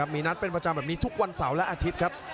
มีนัดเป็นประจำแบบนี้ทุกวันเสาร์และอาทิตย์ครับ